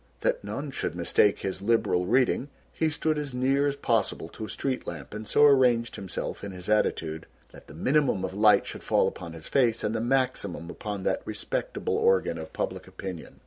That none should mistake his Liberal reading, he stood as near as possible to a street lamp and so arranged himself and his attitude that the minimum of light should fall upon his face and the maximum upon that respectable organ of public opinion.